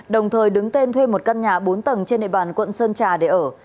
đồng thời đứng tên thuê một căn nhà bốn tầng trên địa bàn quận sơn trà để ở